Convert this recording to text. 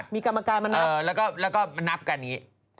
มีกรรมการน่าผิด